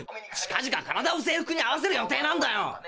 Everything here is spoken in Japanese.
近々体を制服に合わせる予定なんだよ！